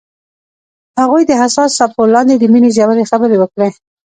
هغوی د حساس څپو لاندې د مینې ژورې خبرې وکړې.